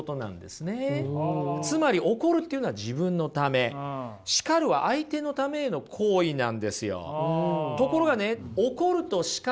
つまり怒るっていうのは自分のため叱るは相手のためへの行為なんですよ。